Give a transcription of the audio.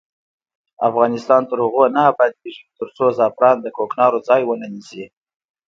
افغانستان تر هغو نه ابادیږي، ترڅو زعفران د کوکنارو ځای ونه نیسي.